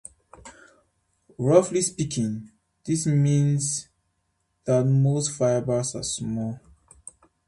Roughly speaking, this means that most fibers are small.